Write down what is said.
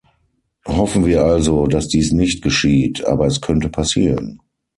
Hoffen wir also, dass dies nicht geschieht, aber es könnte passieren.